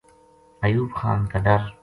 ایوب خان کا ڈر